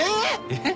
えっ？